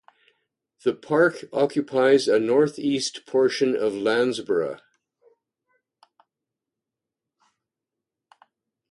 The park occupies a north east portion of Landsborough.